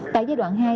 tại giai đoạn hai